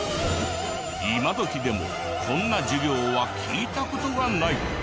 今どきでもこんな授業は聞いた事がない。